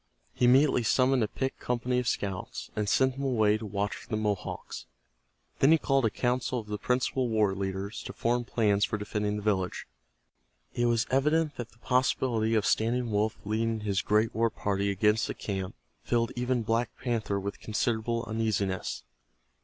He immediately summoned a picked company of scouts, and sent them away to watch for the Mohawks. Then he called a council of the principal war leaders to form plans for defending the village. It was evident that the possibility of Standing Wolf leading his great war party against the camp filled even Black Panther with considerable uneasiness.